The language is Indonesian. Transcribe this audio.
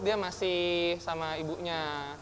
dia masih sama ibunya